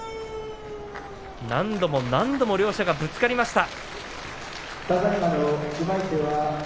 何度も何度も両者がぶつかりました。